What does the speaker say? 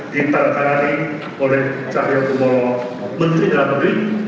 diterangkan lagi oleh syahir bumbalo menteri dalam negeri